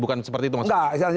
bukan seperti itu maksudnya